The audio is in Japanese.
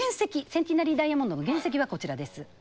センティナリー・ダイヤモンドの原石はこちらです。